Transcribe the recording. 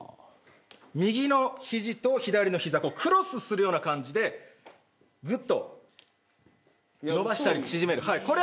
右の肘と左の膝をクロスするような感じでぐっと伸ばしたり縮めたりする。